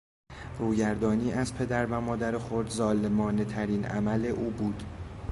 روگردانی از پدر و مادر خود ظالمانهترین عمل او بود.